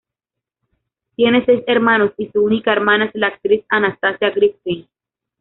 Tiene seis hermanos y su única hermana es la actriz Anastasia Griffith.